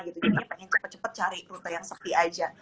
jadi ini pengen cepet cepet cari rute yang sepi aja